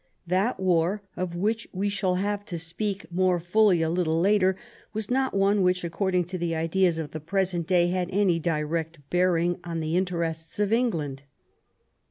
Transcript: That war, of which we shall have to speak more fully a little later, was not one which, according to the ideas of the present day, had any direct bearing on the interests of England.